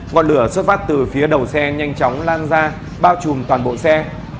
ngọn lửa xuất phát từ phía đầu xe nhanh chóng lan ra bao trùm toàn bộ xe